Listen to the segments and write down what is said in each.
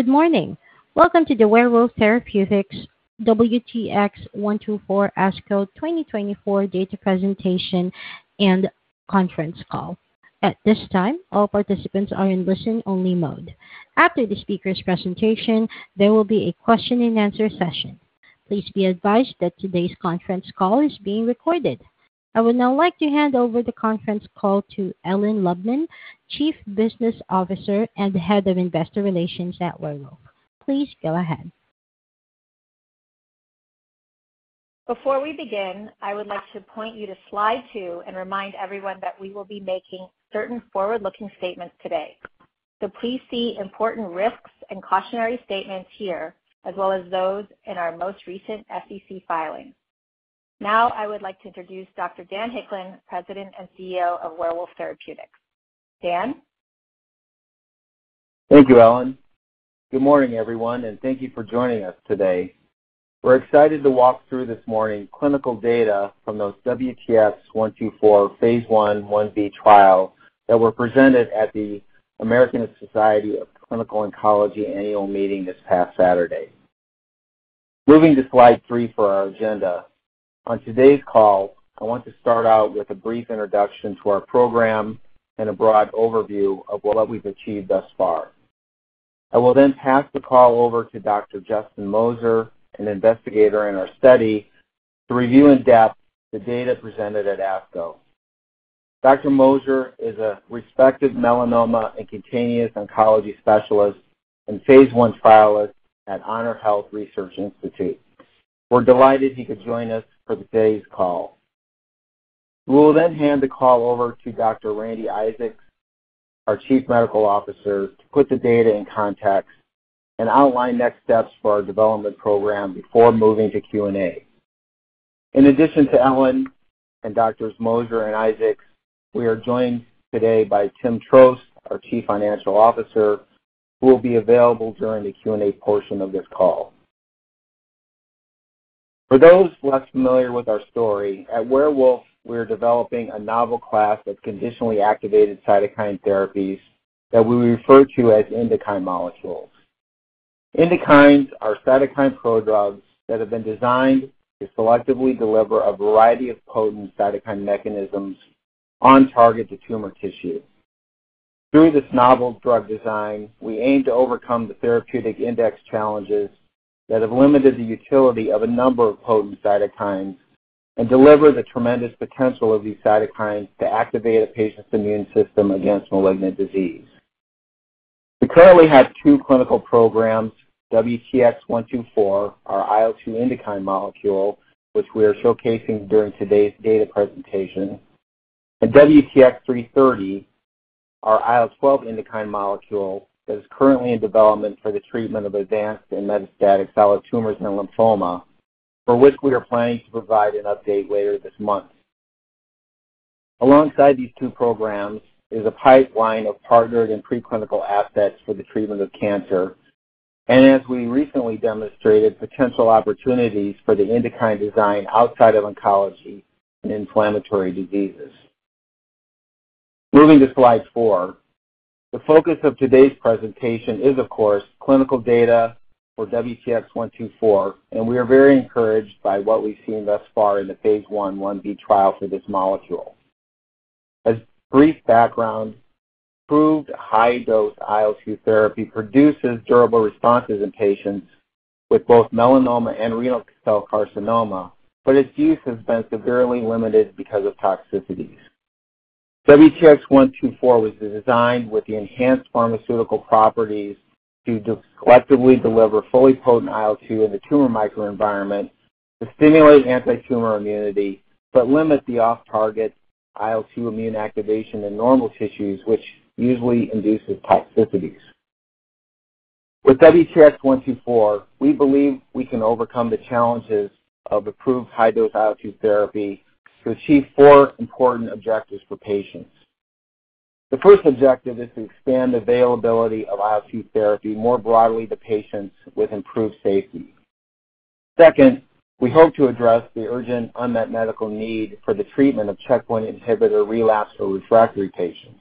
Good morning. Welcome to the Werewolf Therapeutics WTX-124 ASCO 2024 Data Presentation and Conference Call. At this time, all participants are in listen-only mode. After the speaker's presentation, there will be a question-and-answer session. Please be advised that today's conference call is being recorded. I would now like to hand over the conference call to Ellen Lubman, Chief Business Officer and Head of Investor Relations at Werewolf. Please go ahead. Before we begin, I would like to point you to slide two and remind everyone that we will be making certain forward-looking statements today. So please see important risks and cautionary statements here, as well as those in our most recent SEC filings. Now, I would like to introduce Dr. Dan Hicklin, President and CEO of Werewolf Therapeutics. Dan? Thank you, Ellen. Good morning, everyone, and thank you for joining us today. We're excited to walk through this morning clinical data from the WTX-124 phase 1/1b trial that were presented at the American Society of Clinical Oncology Annual Meeting this past Saturday. Moving to slide three for our agenda, on today's call, I want to start out with a brief introduction to our program and a broad overview of what we've achieved thus far. I will then pass the call over to Dr. Justin Moser, an investigator in our study, to review in depth the data presented at ASCO. Dr. Moser is a respected melanoma and cutaneous oncology specialist and phase I trialist at HonorHealth Research Institute. We're delighted he could join us for today's call. We will then hand the call over to Dr. Randi Isaacs, our Chief Medical Officer, to put the data in context and outline next steps for our development program before moving to Q&A. In addition to Ellen and Doctors Moser and Isaacs, we are joined today by Tim Trost, our Chief Financial Officer, who will be available during the Q&A portion of this call. For those less familiar with our story, at Werewolf, we're developing a novel class of conditionally activated cytokine therapies that we refer to as INDUKINE molecules. INDUKINEs are cytokine prodrugs that have been designed to selectively deliver a variety of potent cytokine mechanisms on target to tumor tissue. Through this novel drug design, we aim to overcome the therapeutic index challenges that have limited the utility of a number of potent cytokines and deliver the tremendous potential of these cytokines to activate a patient's immune system against malignant disease. We currently have 2 clinical programs, WTX-124, our IL-2 INDUKINE molecule, which we are showcasing during today's data presentation, and WTX-330, our IL-12 INDUKINE molecule that is currently in development for the treatment of advanced and metastatic solid tumors and lymphoma, for which we are planning to provide an update later this month. Alongside these 2 programs is a pipeline of partnered and preclinical assets for the treatment of cancer, and as we recently demonstrated, potential opportunities for the INDUKINE design outside of oncology and inflammatory diseases. Moving to slide four, the focus of today's presentation is, of course, clinical data for WTX-124, and we are very encouraged by what we've seen thus far in the phase 1/1b trial for this molecule. As brief background, approved high-dose IL-2 therapy produces durable responses in patients with both melanoma and renal cell carcinoma, but its use has been severely limited because of toxicities. WTX-124 was designed with the enhanced pharmaceutical properties to selectively deliver fully potent IL-2 in the tumor microenvironment to stimulate antitumor immunity, but limit the off-target IL-2 immune activation in normal tissues, which usually induces toxicities. With WTX-124, we believe we can overcome the challenges of approved high-dose IL-2 therapy to achieve four important objectives for patients. The first objective is to expand availability of IL-2 therapy more broadly to patients with improved safety. Second, we hope to address the urgent unmet medical need for the treatment of checkpoint inhibitor relapse or refractory patients.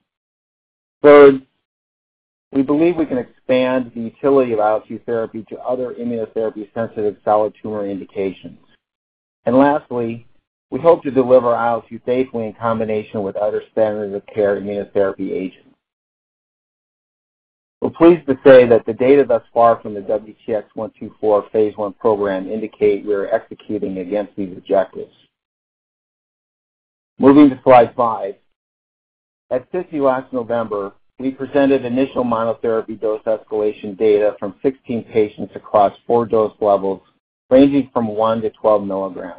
Third, we believe we can expand the utility of IL-2 therapy to other immunotherapy-sensitive solid tumor indications. And lastly, we hope to deliver IL-2 safely in combination with other standard-of-care immunotherapy agents. We're pleased to say that the data thus far from the WTX-124 phase I program indicate we are executing against these objectives. Moving to slide five. At SITC last November, we presented initial monotherapy dose escalation data from 16 patients across four dose levels, ranging from 1-12mg.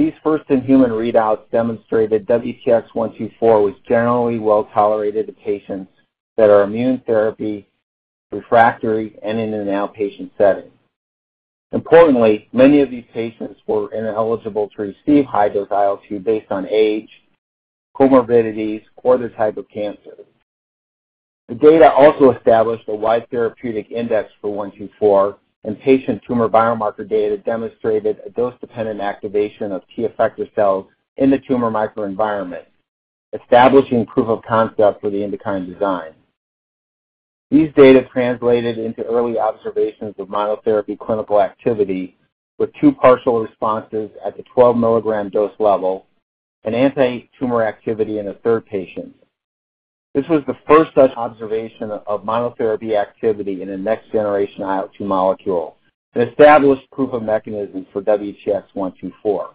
These first-in-human readouts demonstrated WTX-124 was generally well tolerated to patients that are immunotherapy refractory, and in an outpatient setting. Importantly, many of these patients were ineligible to receive high-dose IL-2 based on age, comorbidities, or the type of cancer. The data also established a wide therapeutic index for 124, and patient tumor biomarker data demonstrated a dose-dependent activation of T effector cells in the tumor microenvironment, establishing proof of concept for the INDUKINE design. These data translated into early observations of monotherapy clinical activity, with two partial responses at the 12 mg dose level and anti-tumor activity in a third patient. This was the first such observation of monotherapy activity in a next-generation IL-2 molecule, an established proof of mechanism for WTX-124.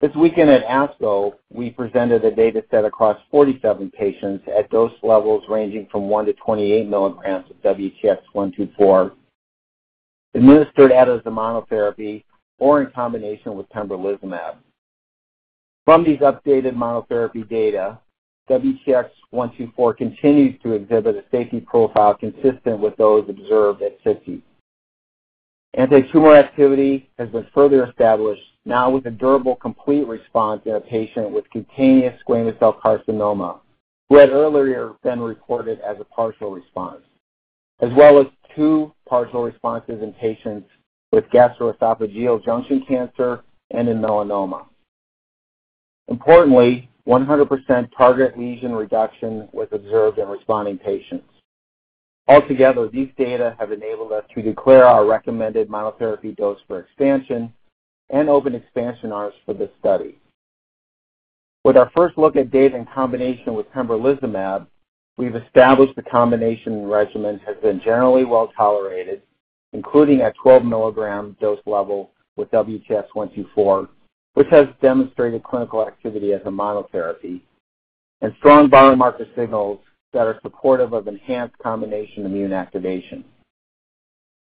This weekend at ASCO, we presented a data set across 47 patients at dose levels ranging from 1-28 mg of WTX-124, administered either as a monotherapy or in combination with pembrolizumab. From these updated monotherapy data, WTX-124 continues to exhibit a safety profile consistent with those observed at 50. Anti-tumor activity has been further established, now with a durable, complete response in a patient with cutaneous squamous cell carcinoma, who had earlier been reported as a partial response, as well as two partial responses in patients with gastroesophageal junction cancer and in melanoma. Importantly, 100% target lesion reduction was observed in responding patients. Altogether, these data have enabled us to declare our recommended monotherapy dose for expansion and open expansion arms for this study. With our first look at data in combination with pembrolizumab, we've established the combination regimen has been generally well-tolerated, including at 12 mg dose level with WTX-124, which has demonstrated clinical activity as a monotherapy and strong biomarker signals that are supportive of enhanced combination immune activation.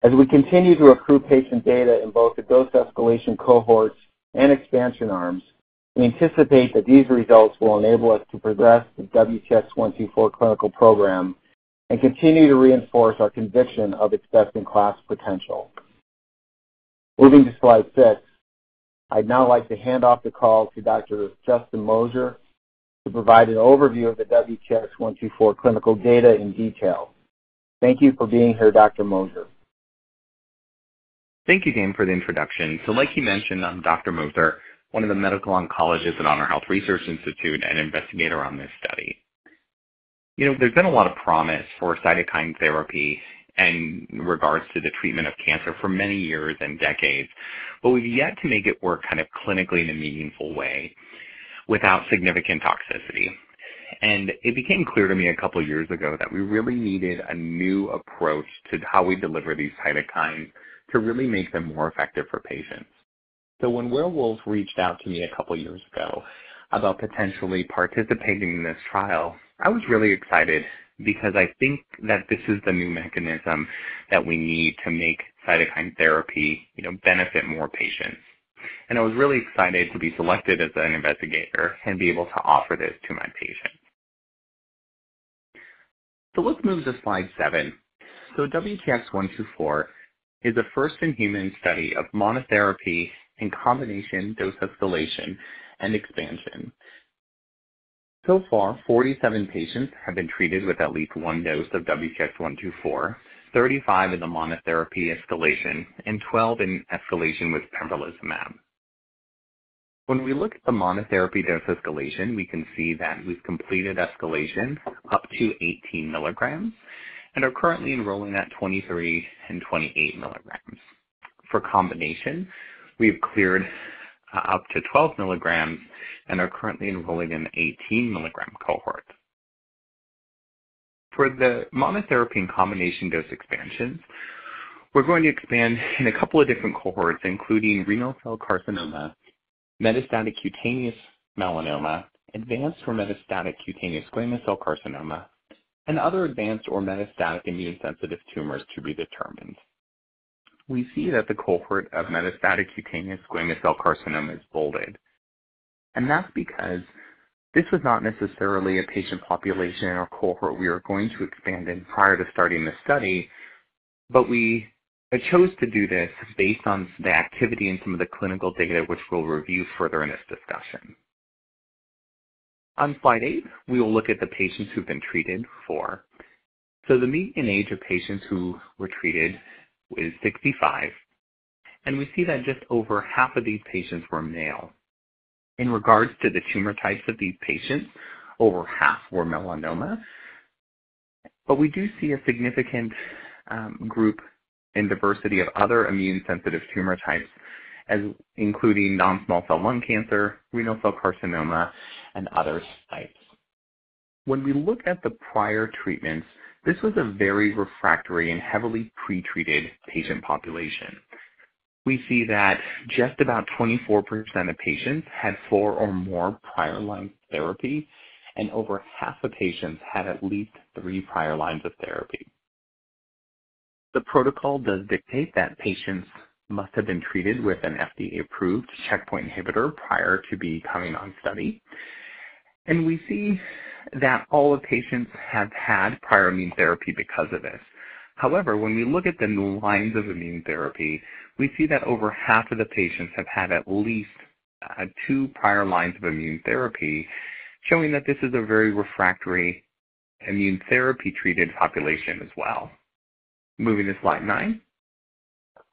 As we continue to recruit patient data in both the dose escalation cohorts and expansion arms, we anticipate that these results will enable us to progress the WTX-124 clinical program and continue to reinforce our conviction of its best-in-class potential. Moving to slide six, I'd now like to hand off the call to Dr. Justin Moser to provide an overview of the WTX-124 clinical data in detail. Thank you for being here, Dr. Moser. Thank you again for the introduction. So like he mentioned, I'm Dr. Moser, one of the medical oncologists at HonorHealth Research Institute and investigator on this study. You know, there's been a lot of promise for cytokine therapy in regards to the treatment of cancer for many years and decades, but we've yet to make it work kind of clinically in a meaningful way without significant toxicity. And it became clear to me a couple of years ago that we really needed a new approach to how we deliver these cytokines to really make them more effective for patients. So when Werewolf reached out to me a couple of years ago about potentially participating in this trial, I was really excited because I think that this is the new mechanism that we need to make cytokine therapy, you know, benefit more patients. I was really excited to be selected as an investigator and be able to offer this to my patients. Let's move to slide seven. WTX-124 is a first-in-human study of monotherapy and combination dose escalation and expansion. So far, 47 patients have been treated with at least one dose of WTX-124, 35 in the monotherapy escalation and 12 in escalation with pembrolizumab. When we look at the monotherapy dose escalation, we can see that we've completed escalation up to 18mg and are currently enrolling at 23 and 28mg. For combination, we've cleared up to 12mg and are currently enrolling in 18mg cohorts. For the monotherapy and combination dose expansions, we're going to expand in a couple of different cohorts, including renal cell carcinoma, metastatic cutaneous melanoma, advanced or metastatic cutaneous squamous cell carcinoma, and other advanced or metastatic immune-sensitive tumors to be determined. We see that the cohort of metastatic cutaneous squamous cell carcinoma is bolded, and that's because this was not necessarily a patient population or cohort we were going to expand in prior to starting this study, but we chose to do this based on the activity and some of the clinical data, which we'll review further in this discussion. On slide eight, we will look at the patients who've been treated for. So the mean age of patients who were treated is 65, and we see that just over half of these patients were male. In regards to the tumor types of these patients, over half were Melanoma, but we do see a significant group and diversity of other immune-sensitive tumor types, as including non-small cell lung cancer, renal cell carcinoma, and other sites. When we look at the prior treatments, this was a very refractory and heavily pretreated patient population. We see that just about 24% of patients had four or more prior line therapy, and over half the patients had at least three prior lines of therapy. The protocol does dictate that patients must have been treated with an FDA-approved checkpoint inhibitor prior to becoming on study, and we see that all the patients have had prior immune therapy because of this. However, when we look at the new lines of immune therapy, we see that over half of the patients have had at least two prior lines of immune therapy, showing that this is a very refractory immune therapy-treated population as well. Moving to slide nine.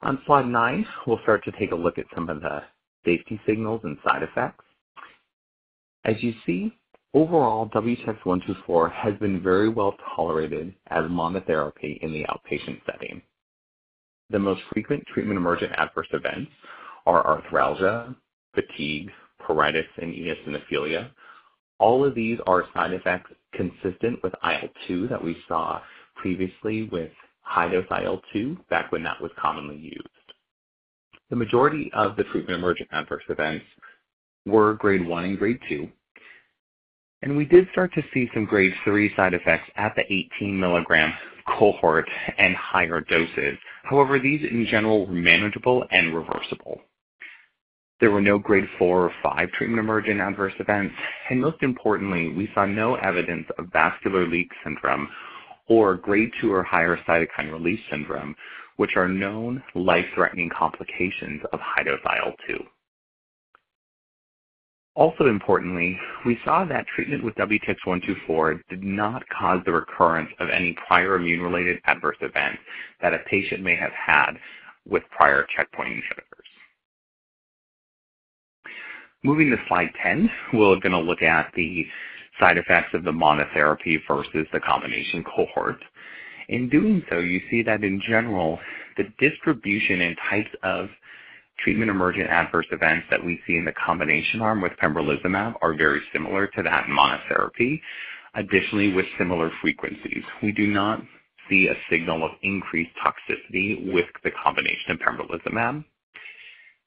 On slide nine, we'll start to take a look at some of the safety signals and side effects. As you see, overall, WTX-124 has been very well tolerated as monotherapy in the outpatient setting. The most frequent treatment-emergent adverse events are arthralgia, fatigue, pruritus, and eosinophilia. All of these are side effects consistent with IL-2 that we saw previously with high-dose IL-2 back when that was commonly used. The majority of the treatment-emergent adverse events were Grade 1 and Grade 2, and we did start to see some Grade 3 side effects at the 18mg cohort and higher doses. However, these, in general, were manageable and reversible. There were no Grade 4 or 5 treatment-emergent adverse events, and most importantly, we saw no evidence of vascular leak syndrome or Grade 2 or higher cytokine release syndrome, which are known life-threatening complications of high-dose IL-2. Also importantly, we saw that treatment with WTX-124 did not cause the recurrence of any prior immune-related adverse event that a patient may have had with prior checkpoint inhibitors. Moving to slide 10, we're going to look at the side effects of the monotherapy versus the combination cohort. In doing so, you see that in general, the distribution and types of treatment-emergent adverse events that we see in the combination arm with pembrolizumab are very similar to that monotherapy. Additionally, with similar frequencies, we do not see a signal of increased toxicity with the combination of pembrolizumab.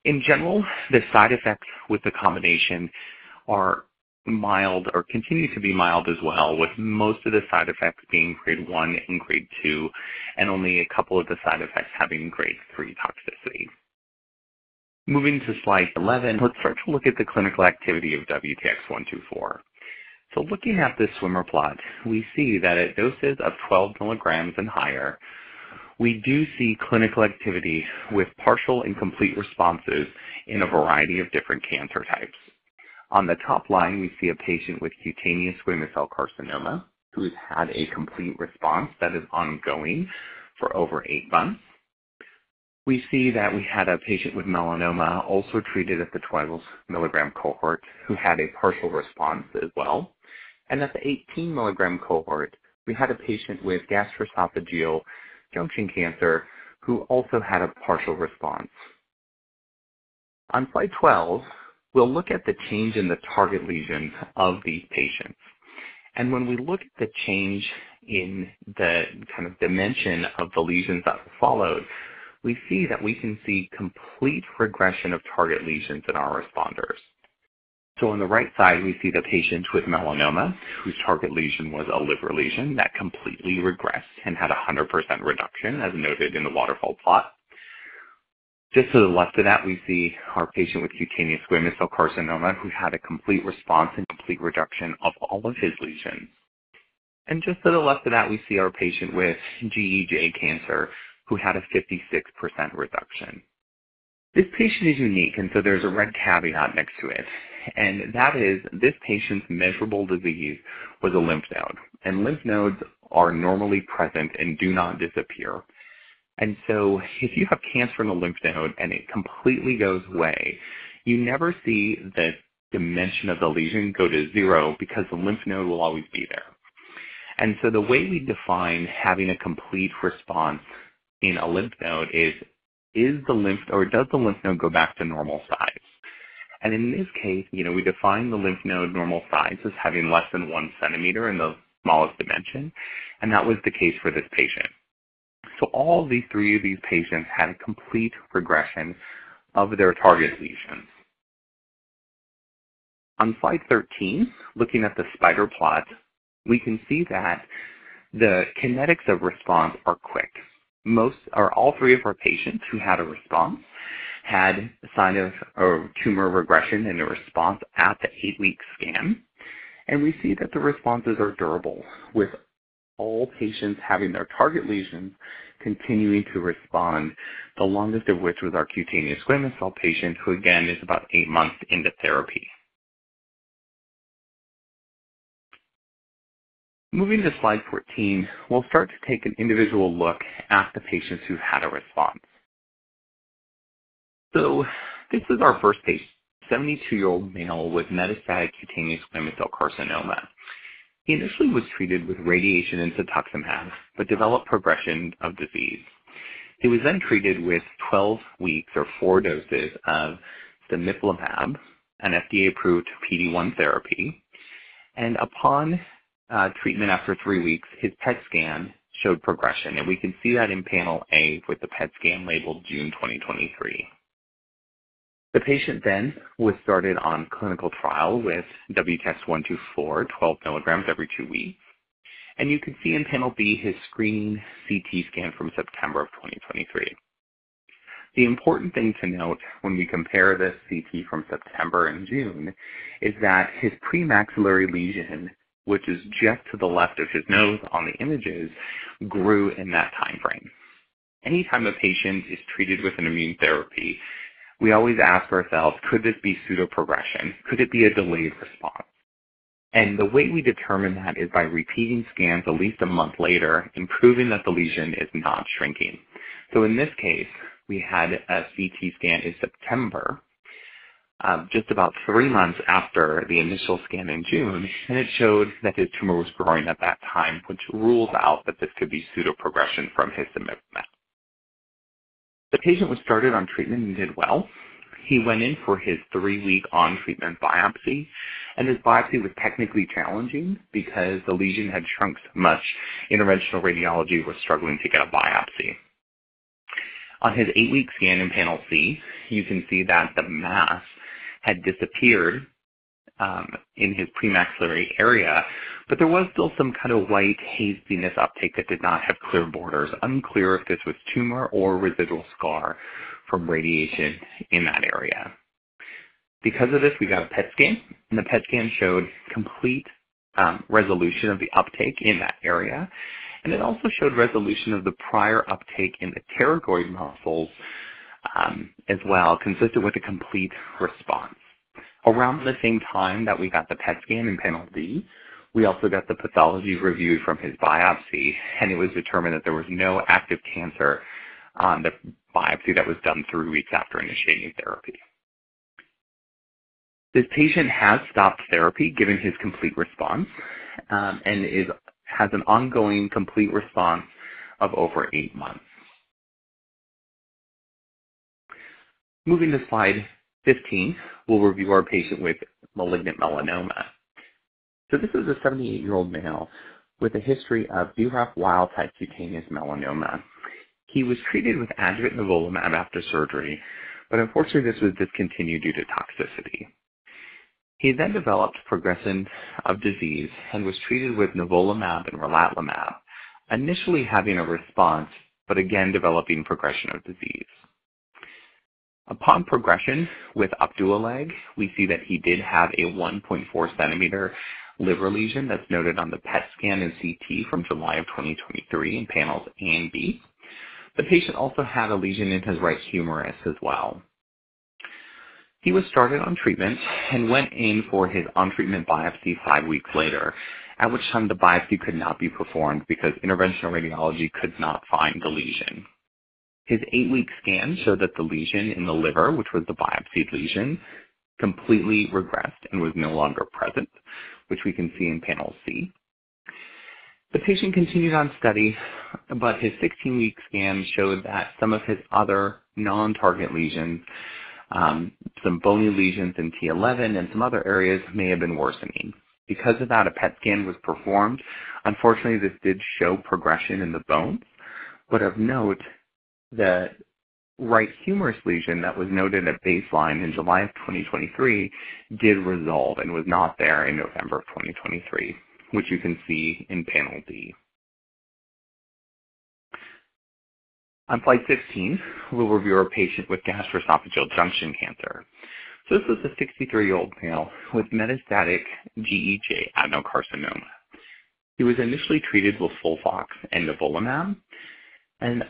In general, the side effects with the combination are mild or continue to be mild as well, with most of the side effects being Grade 1 and Grade 2, and only a couple of the side effects having Grade 3 toxicity. Moving to slide 11, let's start to look at the clinical activity of WTX-124. So looking at this swimmer plot, we see that at doses of 12mg and higher, we do see clinical activity with partial and complete responses in a variety of different cancer types. On the top line, we see a patient with cutaneous squamous cell carcinoma who has had a complete response that is ongoing for over 8 months. We see that we had a patient with melanoma, also treated at the 12mg cohort, who had a partial response as well. And at the 18mg cohort, we had a patient with gastroesophageal junction cancer who also had a partial response. On slide 12, we'll look at the change in the target lesions of these patients. When we look at the change in the dimension of the lesions that followed, we see that we can see complete regression of target lesions in our responders. On the right side, we see the patient with melanoma, whose target lesion was a liver lesion that completely regressed and had 100% reduction, as noted in the waterfall plot. Just to the left of that, we see our patient with cutaneous squamous cell carcinoma, who had a complete response and complete reduction of all of his lesions. Just to the left of that, we see our patient with GEJ cancer, who had a 56% reduction. This patient is unique, and so there's a red caveat next to it, and that is this patient's measurable disease was a lymph node, and lymph nodes are normally present and do not disappear. And so if you have cancer in a lymph node and it completely goes away, you never see the dimension of the lesion go to zero because the lymph node will always be there. And so the way we define having a complete response in a lymph node is or does the lymph node go back to normal size? And in this case, you know, we define the lymph node normal size as having less than one centimeter in the smallest dimension, and that was the case for this patient. So all these three of these patients had a complete regression of their target lesions. On slide 13, looking at the Spider Plot, we can see that the kinetics of response are quick. Most or all 3 of our patients who had a response had a sign of a tumor regression and a response at the 8-week scan, and we see that the responses are durable, with all patients having their target lesions continuing to respond, the longest of which was our cutaneous squamous cell patient, who again, is about 8 months into therapy. Moving to Slide 14, we'll start to take an individual look at the patients who've had a response. This is our first patient, a 72-year-old male with metastatic cutaneous squamous cell carcinoma. He initially was treated with radiation and cetuximab, but developed progression of disease. He was then treated with 12 weeks or 4 doses of nivolumab, an FDA-approved PD-1 therapy, and upon treatment, after 3 weeks, his PET scan showed progression, and we can see that in Panel A with the PET scan labeled June 2023. The patient then was started on clinical trial with WTX-124, 12mg every 2 weeks, and you can see in Panel B his screening CT scan from September of 2023. The important thing to note when we compare this CT from September and June is that his premaxillary lesion, which is just to the left of his nose on the images, grew in that timeframe. Anytime a patient is treated with an immune therapy, we always ask ourselves, "Could this be pseudoprogression? Could it be a delayed response?" The way we determine that is by repeating scans at least a month later and proving that the lesion is not shrinking. In this case, we had a CT scan in September, just about three months after the initial scan in June, and it showed that his tumor was growing at that time, which rules out that this could be pseudo-progression from his treatment. The patient was started on treatment and did well. He went in for his 3-week on-treatment biopsy, and his biopsy was technically challenging because the lesion had shrunk so much. Interventional radiology was struggling to get a biopsy. On his 8-week scan in Panel C, you can see that the mass had disappeared in his premaxillary area, but there was still some kind of white haziness uptake that did not have clear borders. Unclear if this was tumor or residual scar from radiation in that area. Because of this, we got a PET scan, and the PET scan showed complete resolution of the uptake in that area, and it also showed resolution of the prior uptake in the pterygoid muscles as well, consistent with a complete response. Around the same time that we got the PET scan in Panel B, we also got the pathology review from his biopsy, and it was determined that there was no active cancer on the biopsy that was done three weeks after initiating therapy. This patient has stopped therapy, given his complete response, and has an ongoing complete response of over eight months. Moving to Slide 15, we'll review our patient with malignant melanoma. So this is a 78-year-old male with a history of BRAF wild-type cutaneous melanoma. He was treated with adjuvant nivolumab after surgery, but unfortunately, this was discontinued due to toxicity. He then developed progression of disease and was treated with nivolumab and relatlimab, initially having a response, but again, developing progression of disease. Upon progression with upadacitinib, we see that he did have a 1.4cm liver lesion that's noted on the PET scan and CT from July 2023 in panels A and B. The patient also had a lesion in his right humerus as well. He was started on treatment and went in for his on-treatment biopsy five weeks later, at which time the biopsy could not be performed because interventional radiology could not find the lesion. His eight-week scan showed that the lesion in the liver, which was the biopsied lesion, completely regressed and was no longer present, which we can see in Panel C. The patient continued on study, but his 16-week scan showed that some of his other non-target lesions, some bony lesions in T11 and some other areas may have been worsening. Because of that, a PET scan was performed. Unfortunately, this did show progression in the bones, but of note, the right humerus lesion that was noted at baseline in July 2023 did resolve and was not there in November 2023, which you can see in Panel D. On Slide 16, we'll review a patient with gastroesophageal junction cancer. So this is a 63-year-old male with metastatic GEJ adenocarcinoma. He was initially treated with FOLFOX and nivolumab, and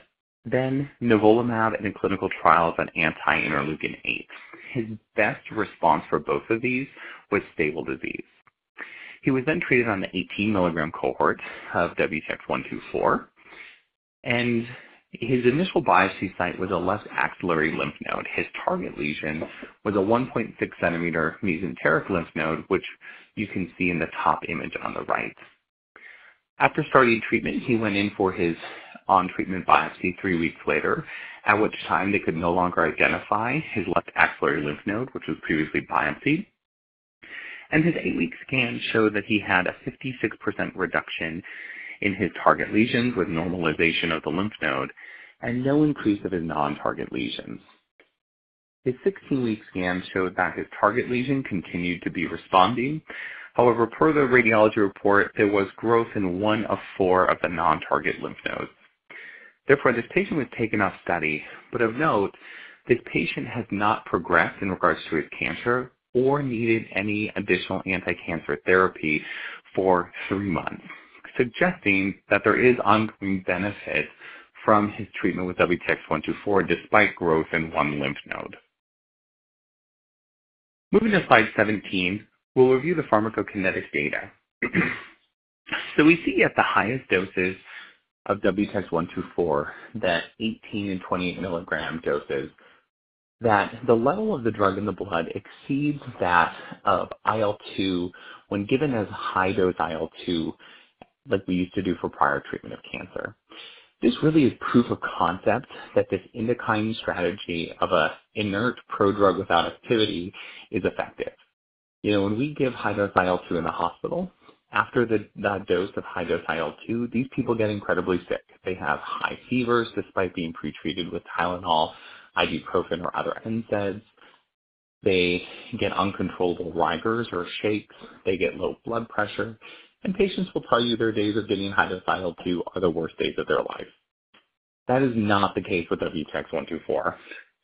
then nivolumab in a clinical trial of an anti-interleukin-8. His best response for both of these was stable disease. He was then treated on the 18mg cohort of WTX-124, and his initial biopsy site was a left axillary lymph node. His target lesion was a 1.6 cm mesenteric lymph node, which you can see in the top image on the right. After starting treatment, he went in for his on-treatment biopsy three weeks later, at which time they could no longer identify his left axillary lymph node, which was previously biopsied. His 8-week scan showed that he had a 56% reduction in his target lesions with normalization of the lymph node and no increase of his non-target lesions. His 16-week scan showed that his target lesion continued to be responding. However, per the radiology report, there was growth in 1 of 4 of the non-target lymph nodes. Therefore, this patient was taken off study, but of note, this patient has not progressed in regards to his cancer or needed any additional anticancer therapy for 3 months, suggesting that there is ongoing benefit from his treatment with WTX-124, despite growth in one lymph node. Moving to Slide 17, we'll review the pharmacokinetic data. So we see at the highest doses of WTX-124, that 18- and 28-mg doses, that the level of the drug in the blood exceeds that of IL-2 when given as high-dose IL-2, like we used to do for prior treatment of cancer. This really is proof of concept that this INDUKINE strategy of an inert prodrug without activity is effective. You know, when we give high-dose IL-2 in the hospital, after that dose of high-dose IL-2, these people get incredibly sick. They have high fevers, despite being pretreated with Tylenol, ibuprofen, or other NSAIDs. They get uncontrollable rigors or shakes, they get low blood pressure, and patients will tell you their days of getting high-dose IL-2 are the worst days of their life. That is not the case with WTX-124.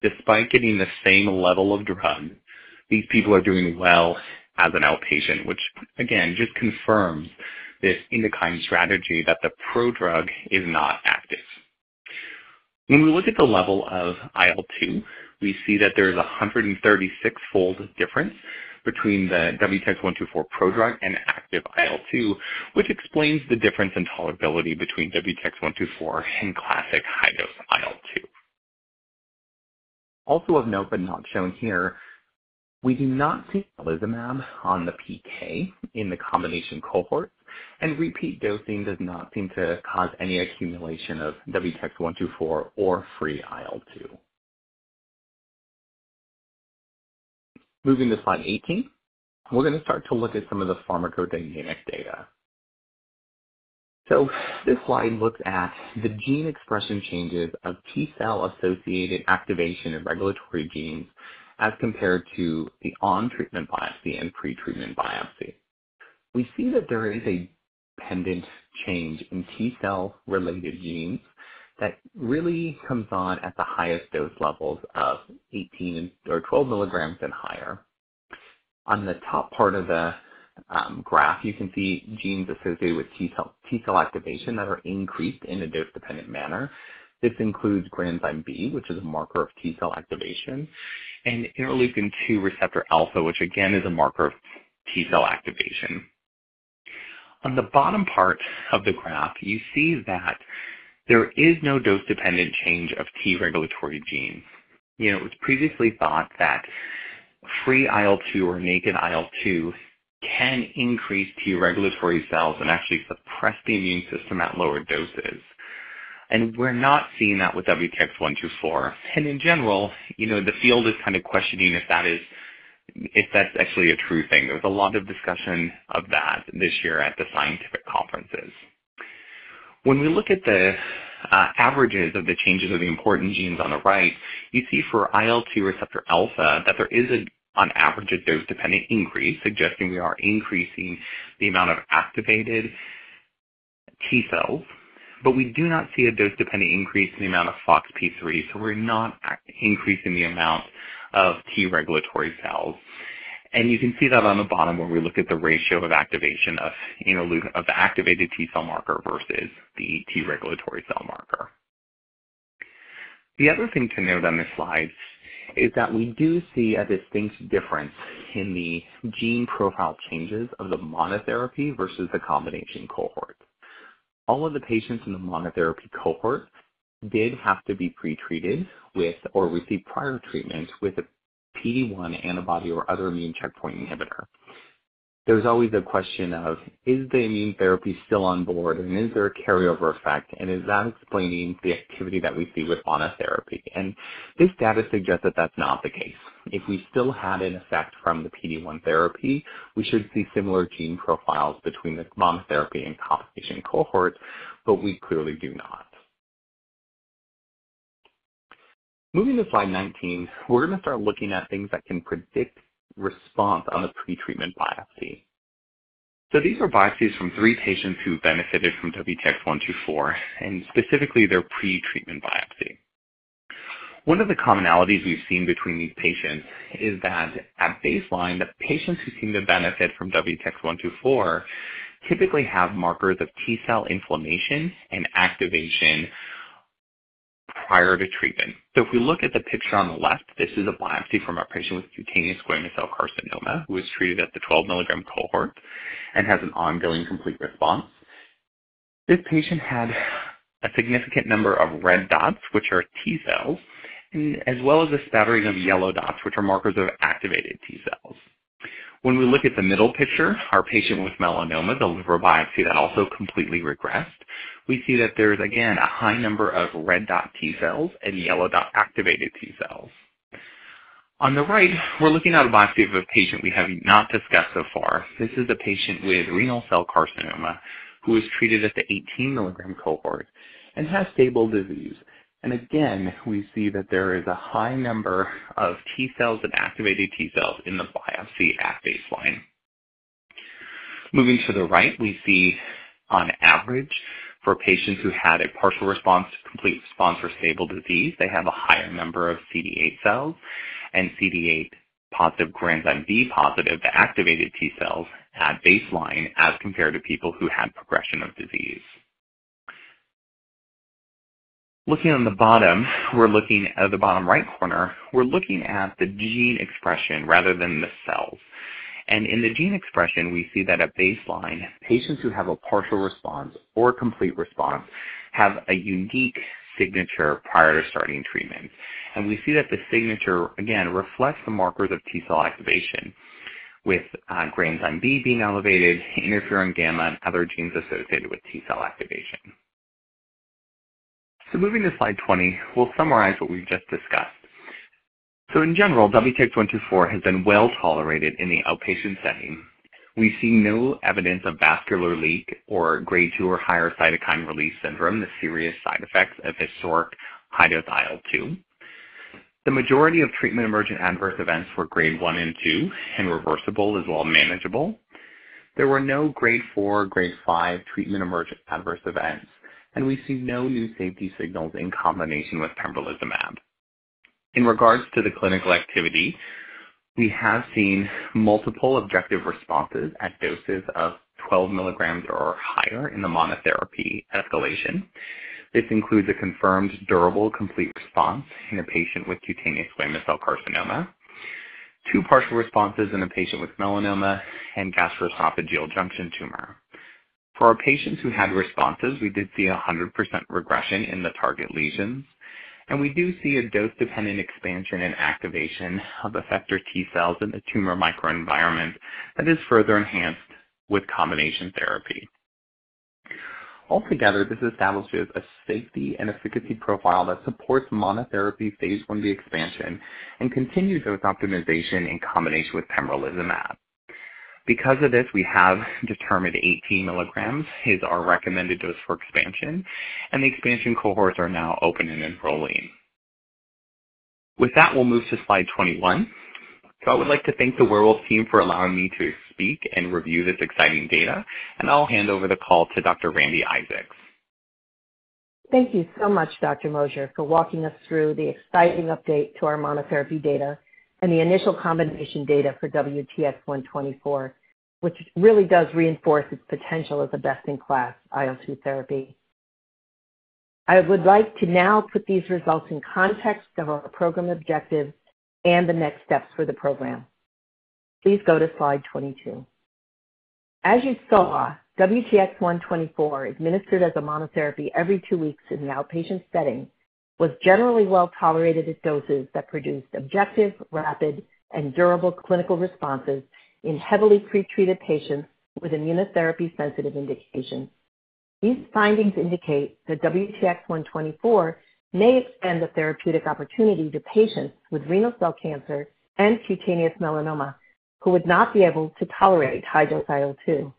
Despite getting the same level of drug, these people are doing well as an outpatient, which again, just confirms this INDUKINE strategy that the prodrug is not active. When we look at the level of IL-2, we see that there is a 136-fold difference between the WTX-124 prodrug and active IL-2, which explains the difference in tolerability between WTX-124 and classic high-dose IL-2. Also of note, but not shown here, we do not see pembrolizumab on the PK in the combination cohorts, and repeat dosing does not seem to cause any accumulation of WTX-124 or free IL-2. Moving to slide 18, we're going to start to look at some of the pharmacodynamic data. This slide looks at the gene expression changes of T cell-associated activation and regulatory genes as compared to the on-treatment biopsy and pretreatment biopsy. We see that there is a dependent change in T cell-related genes that really comes on at the highest dose levels of 18 or 12mg and higher. On the top part of the graph, you can see genes associated with T cell, T cell activation that are increased in a dose-dependent manner. This includes granzyme B, which is a marker of T cell activation, and interleukin-2 receptor alpha, which again is a marker of T cell activation. On the bottom part of the graph, you see that there is no dose-dependent change of T regulatory genes. You know, it was previously thought that free IL-2 or naked IL-2 can increase T regulatory cells and actually suppress the immune system at lower doses. We're not seeing that with WTX-124. In general, you know, the field is kind of questioning if that is—if that's actually a true thing. There was a lot of discussion of that this year at the scientific conferences. When we look at the averages of the changes of the important genes on the right, you see for IL-2 receptor alpha that there is, on average, a dose-dependent increase, suggesting we are increasing the amount of activated T cells, but we do not see a dose-dependent increase in the amount of FoxP3, so we're not increasing the amount of T regulatory cells. And you can see that on the bottom when we look at the ratio of activation of interleukin, of the activated T cell marker versus the T regulatory cell marker. The other thing to note on this slide is that we do see a distinct difference in the gene profile changes of the monotherapy versus the combination cohort. All of the patients in the monotherapy cohort did have to be pretreated with or receive prior treatment with a PD-1 antibody or other immune checkpoint inhibitor. There's always a question of: Is the immune therapy still on board? And is there a carryover effect, and is that explaining the activity that we see with monotherapy? And this data suggests that that's not the case. If we still had an effect from the PD-1 therapy, we should see similar gene profiles between the monotherapy and combination cohorts, but we clearly do not. Moving to slide 19, we're going to start looking at things that can predict response on a pretreatment biopsy. These are biopsies from three patients who benefited from WTX-124, and specifically their pretreatment biopsy. One of the commonalities we've seen between these patients is that at baseline, the patients who seem to benefit from WTX-124 typically have markers of T-cell inflammation and activation prior to treatment. If we look at the picture on the left, this is a biopsy from a patient with cutaneous squamous cell carcinoma who was treated at the 12mg cohort and has an ongoing complete response. This patient had a significant number of red dots, which are T cells, and as well as a scattering of yellow dots, which are markers of activated T cells. When we look at the middle picture, our patient with melanoma, the liver biopsy that also completely regressed, we see that there is again a high number of red dot T cells and yellow dot activated T cells. On the right, we're looking at a biopsy of a patient we have not discussed so far. This is a patient with renal cell carcinoma who was treated at the 18-mg cohort and has stable disease. And again, we see that there is a high number of T cells and activated T cells in the biopsy at baseline. Moving to the right, we see on average for patients who had a partial response, complete response, or stable disease, they have a higher number of CD8 cells and CD8 positive Granzyme B positive, the activated T cells at baseline as compared to people who had progression of disease. Looking on the bottom, we're looking at the bottom right corner. We're looking at the gene expression rather than the cells. And in the gene expression, we see that at baseline, patients who have a partial response or complete response have a unique signature prior to starting treatment. And we see that the signature, again, reflects the markers of T-cell activation, with Granzyme B being elevated, interferon gamma and other genes associated with T-cell activation. So moving to slide 20, we'll summarize what we've just discussed. So in general, WTX-124 has been well tolerated in the outpatient setting. We see no evidence of vascular leak or Grade 2 or higher cytokine release syndrome, the serious side effects of historic high-dose IL-2. The majority of treatment-emergent adverse events were Grade 1 and 2 and reversible, as well manageable. There were no Grade 4, Grade 5 treatment-emergent adverse events, and we see no new safety signals in combination with pembrolizumab. In regards to the clinical activity, we have seen multiple objective responses at doses of 12mg or higher in the monotherapy escalation. This includes a confirmed durable, complete response in a patient with cutaneous squamous cell carcinoma, two partial responses in a patient with melanoma and gastroesophageal junction tumor. For our patients who had responses, we did see 100% regression in the target lesions, and we do see a dose-dependent expansion and activation of effector T-cells in the tumor microenvironment that is further enhanced with combination therapy. Altogether, this establishes a safety and efficacy profile that supports monotherapy phase 1B expansion and continues dose optimization in combination with pembrolizumab. Because of this, we have determined 18mg is our recommended dose for expansion, and the expansion cohorts are now open and enrolling. With that, we'll move to slide 21. So I would like to thank the Werewolf team for allowing me to speak and review this exciting data, and I'll hand over the call to Dr. Randi Isaacs. Thank you so much, Dr. Moser, for walking us through the exciting update to our monotherapy data and the initial combination data for WTX-124, which really does reinforce its potential as a best-in-class IL-2 therapy. I would like to now put these results in context of our program objectives and the next steps for the program. Please go to slide 22. As you saw, WTX-124, administered as a monotherapy every two weeks in an outpatient setting, was generally well tolerated at doses that produced objective, rapid and durable clinical responses in heavily pretreated patients with immunotherapy-sensitive indications. These findings indicate that WTX-124 may extend the therapeutic opportunity to patients with renal cell cancer and cutaneous melanoma who would not be able to tolerate high-dose IL-2,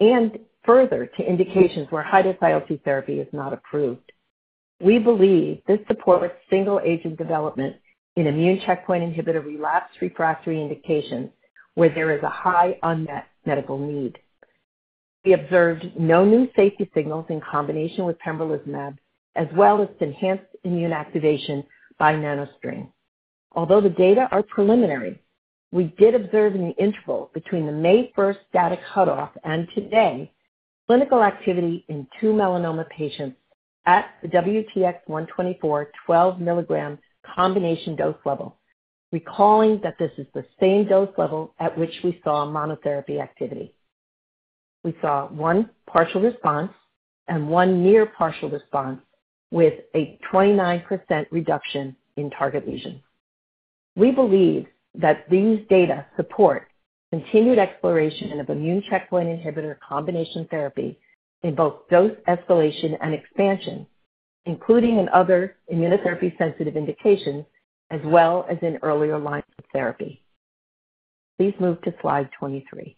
and further, to indications where high-dose IL-2 therapy is not approved. We believe this supports single-agent development in immune checkpoint inhibitor relapsed-refractory indications, where there is a high unmet medical need. We observed no new safety signals in combination with pembrolizumab, as well as enhanced immune activation by NanoString. Although the data are preliminary, we did observe in the interval between the May 1 data cutoff and today, clinical activity in two melanoma patients at the WTX-124 12mg combination dose level, recalling that this is the same dose level at which we saw monotherapy activity. We saw one partial response and one near partial response, with a 29% reduction in target lesions. We believe that these data support continued exploration of immune checkpoint inhibitor combination therapy in both dose escalation and expansion, including in other immunotherapy-sensitive indications, as well as in earlier lines of therapy. Please move to slide 23.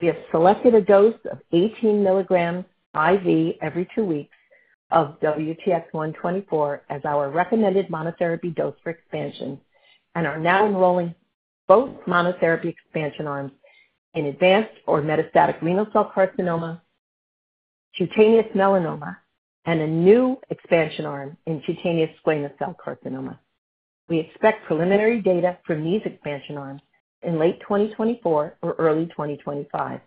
We have selected a dose of 18mg IV every 2 weeks of WTX-124 as our recommended monotherapy dose for expansion and are now enrolling both monotherapy expansion arms in advanced or metastatic renal cell carcinoma, cutaneous melanoma, and a new expansion arm in cutaneous squamous cell carcinoma. We expect preliminary data from these expansion arms in late 2024 or early 2025,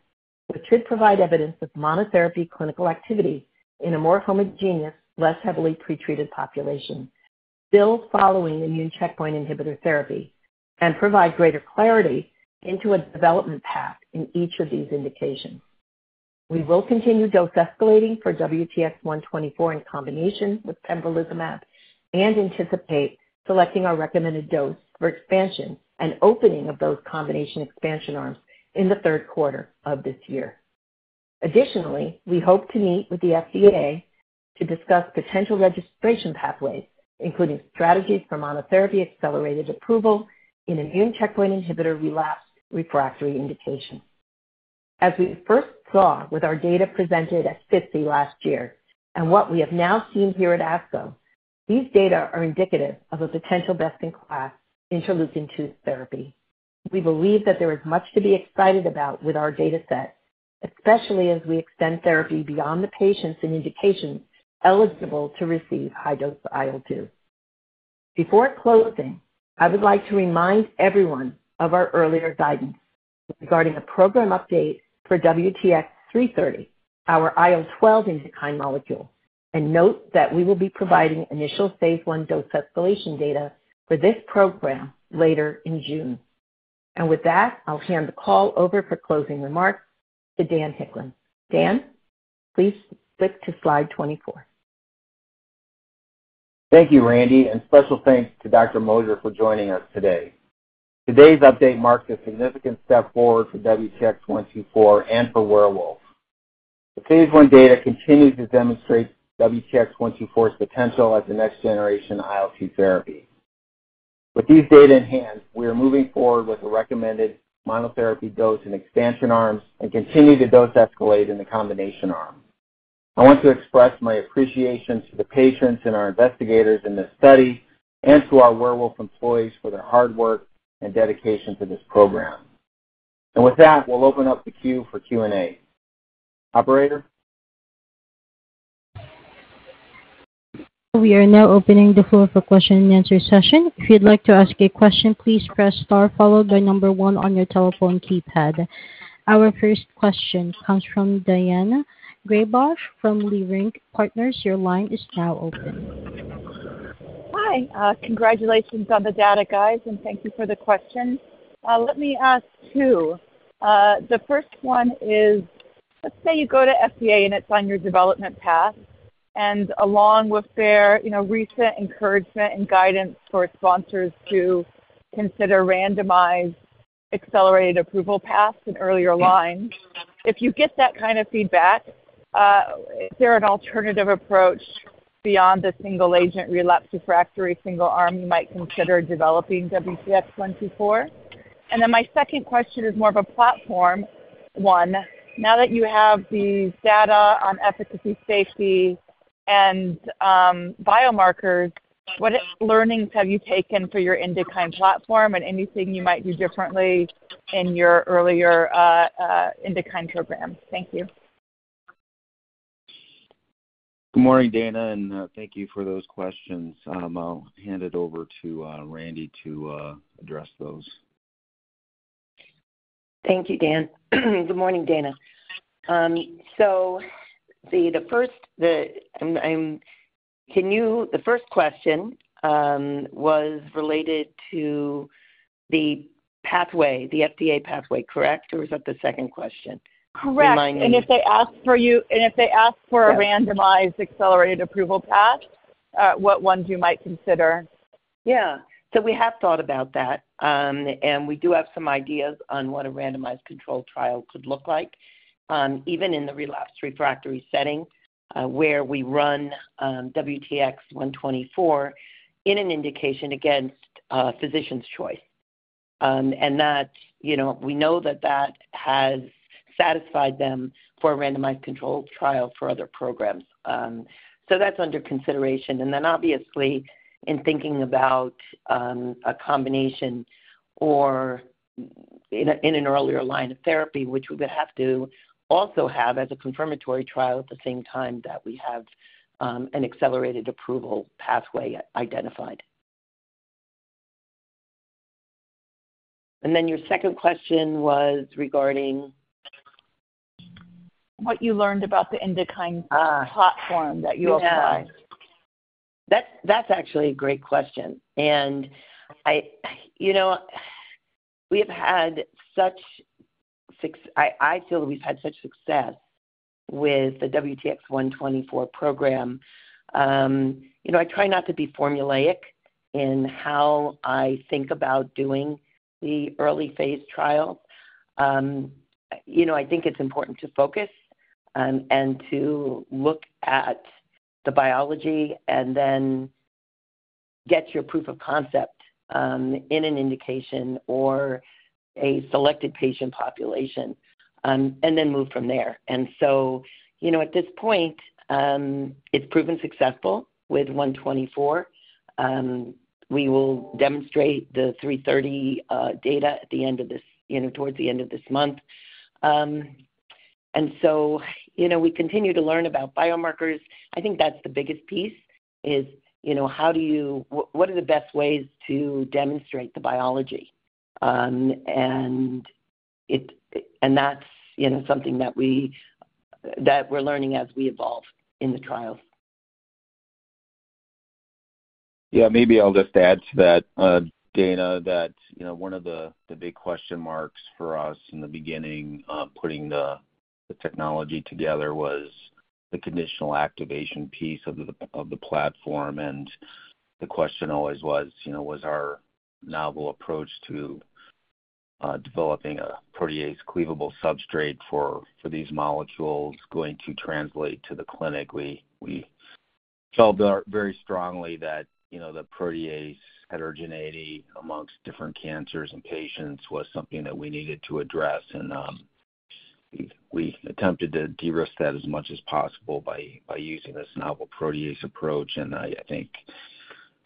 which should provide evidence of monotherapy clinical activity in a more homogeneous, less heavily pretreated population, still following immune checkpoint inhibitor therapy and provide greater clarity into a development path in each of these indications. We will continue dose escalating for WTX-124 in combination with pembrolizumab and anticipate selecting our recommended dose for expansion and opening of those combination expansion arms in the third quarter of this year. Additionally, we hope to meet with the FDA to discuss potential registration pathways, including strategies for monotherapy accelerated approval in immune checkpoint inhibitor relapsed-refractory indication. As we first saw with our data presented at SITC last year, and what we have now seen here at ASCO, these data are indicative of a potential best-in-class interleukin-2 therapy. We believe that there is much to be excited about with our data set, especially as we extend therapy beyond the patients and indications eligible to receive high-dose IL-2. Before closing, I would like to remind everyone of our earlier guidance regarding a program update for WTX-330, our IL-12 cytokine molecule, and note that we will be providing initial phase I dose escalation data for this program later in June. And with that, I'll hand the call over for closing remarks to Dan Hicklin. Dan, please flip to slide 24. Thank you, Randi, and special thanks to Dr. Moser for joining us today. Today's update marks a significant step forward for WTX-124 and for Werewolf. The phase I data continues to demonstrate WTX-124's potential as the next generation IL-2 therapy. With these data in hand, we are moving forward with a recommended monotherapy dose and expansion arms and continue to dose escalate in the combination arm. I want to express my appreciation to the patients and our investigators in this study and to our Werewolf employees for their hard work and dedication to this program. And with that, we'll open up the queue for Q&A. Operator? We are now opening the floor for question-and-answer session. If you'd like to ask a question, please press star, followed by number one on your telephone keypad. Our first question comes from Daina Graybosch from Leerink Partners. Your line is now open. Hi, congratulations on the data, guys, and thank you for the question. Let me ask two. The first one is, let's say you go to FDA and it's on your development path, and along with their, you know, recent encouragement and guidance for sponsors to consider randomized accelerated approval paths and earlier lines. If you get that kind of feedback, is there an alternative approach beyond the single-agent relapsed refractory single-arm you might consider developing WTX-124? And then my second question is more of a platform one. Now that you have the data on efficacy, safety, and biomarkers, what learnings have you taken for your INDUKINE platform and anything you might do differently in your earlier INDUKINE program? Thank you. Good morning, Daina, and thank you for those questions. I'll hand it over to Randi to address those. Thank you, Dan. Good morning, Dana. So the first question was related to the pathway, the FDA pathway, correct? Or was that the second question? Correct. If they ask for a randomized accelerated approval path, what ones you might consider? Yeah. So we have thought about that, and we do have some ideas on what a randomized controlled trial could look like, even in the relapsed-refractory setting, where we run WTX-124 in an indication against physician's choice. And that, you know, we know that that has satisfied them for a randomized controlled trial for other programs. So that's under consideration. And then, obviously, in thinking about a combination or in an earlier line of therapy, which we would have to also have as a confirmatory trial at the same time that we have an accelerated approval pathway identified. And then your second question was regarding? What you learned about the INDUKINE platform that you applied. Yeah. That's actually a great question. And, you know, I feel that we've had such success with the WTX-124 program. You know, I try not to be formulaic in how I think about doing the early phase trial. You know, I think it's important to focus and to look at the biology and then get your proof of concept in an indication or a selected patient population and then move from there. And so, you know, at this point, it's proven successful with 124. We will demonstrate the 330 data at the end of this, you know, towards the end of this month. And so, you know, we continue to learn about biomarkers. I think that's the biggest piece is, you know, how do you—what are the best ways to demonstrate the biology? And that's, you know, something that we're learning as we evolve in the trial. Yeah, maybe I'll just add to that, Daina, that, you know, one of the big question marks for us in the beginning, putting the technology together was the conditional activation piece of the platform. And the question always was, you know, was our novel approach to developing a protease cleavable substrate for these molecules going to translate to the clinic? We felt very strongly that, you know, the protease heterogeneity amongst different cancers and patients was something that we needed to address. And we attempted to de-risk that as much as possible by using this novel protease approach. And I think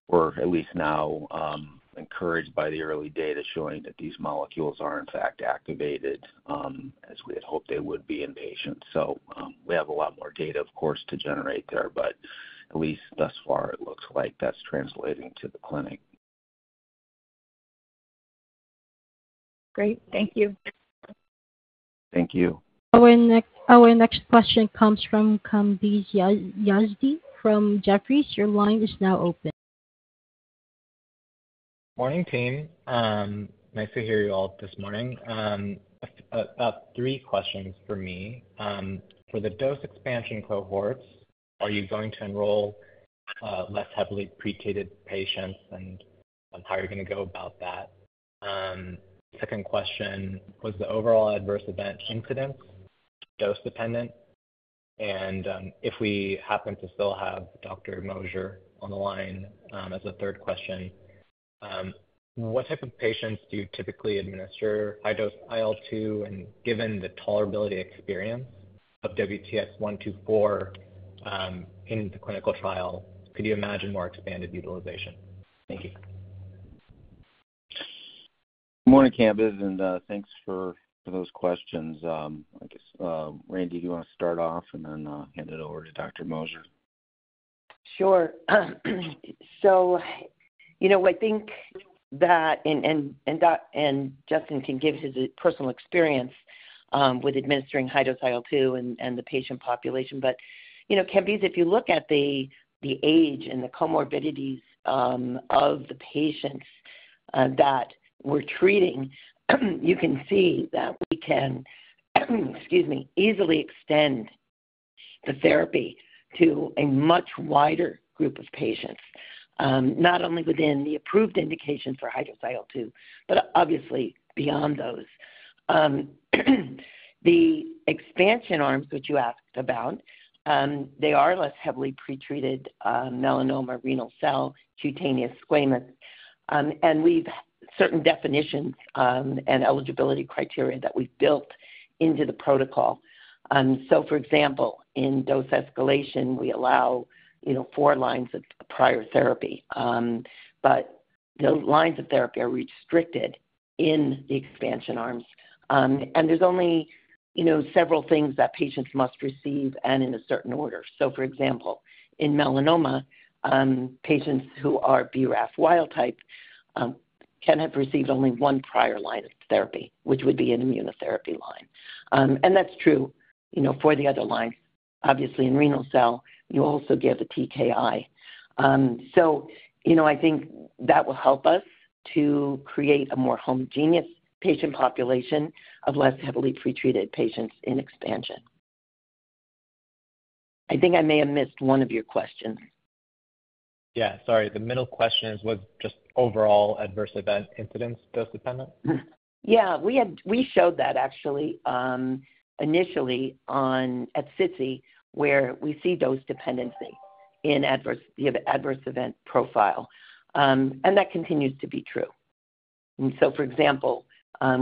we're at least now encouraged by the early data showing that these molecules are, in fact, activated as we had hoped they would be in patients. We have a lot more data, of course, to generate there, but at least thus far, it looks like that's translating to the clinic. Great. Thank you. Thank you. Our next question comes from Kambiz Yazdi from Jefferies. Your line is now open. Morning, team. Nice to hear you all this morning. About three questions for me. For the dose expansion cohorts, are you going to enroll, less heavily pretreated patients, and how are you gonna go about that? Second question, was the overall adverse event incidence, dose dependent? And, if we happen to still have Dr. Moser on the line, as a third question, what type of patients do you typically administer high-dose IL-2? And given the tolerability experience of WTX-124, in the clinical trial, could you imagine more expanded utilization? Thank you. Good morning, Kambiz, and, thanks for, for those questions. I guess, Randi, do you want to start off and then, hand it over to Dr. Moser? Sure. So, you know, I think that Justin can give his personal experience with administering high-dose IL-2 and the patient population. But, you know, Kambiz, if you look at the age and the comorbidities of the patients that we're treating, you can see that we can, excuse me, easily extend the therapy to a much wider group of patients. Not only within the approved indication for high-dose IL-2, but obviously beyond those. The expansion arms that you asked about, they are less heavily pretreated melanoma, renal cell, cutaneous squamous. And we've certain definitions and eligibility criteria that we've built into the protocol. So for example, in dose escalation, we allow, you know, four lines of prior therapy. But those lines of therapy are restricted in the expansion arms. And there's only, you know, several things that patients must receive and in a certain order. So for example, in melanoma, patients who are BRAF wild type can have received only one prior line of therapy, which would be an immunotherapy line. And that's true, you know, for the other lines. Obviously, in renal cell, you also give a TKI. So, you know, I think that will help us to create a more homogeneous patient population of less heavily pretreated patients in expansion. I think I may have missed one of your questions. Yeah, sorry. The middle question is, was just overall adverse event incidence, dose dependent? Yeah, we showed that actually, initially at SITC, where we see dose dependency in the adverse event profile. And that continues to be true. And so, for example,